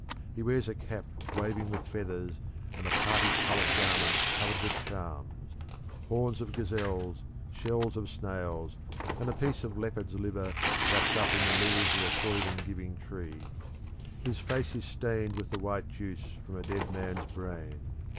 He wears a cap waving with feathers and a parti coloured garment covered with charms horns of gazelles, shells of snails, and a piece of leopard's liver wrapped up in the leaves of a poison giving tree. His face is stained with the white juice from a dead man's brain.